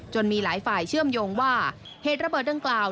มีหลายฝ่ายเชื่อมโยงว่าเหตุระเบิดดังกล่าว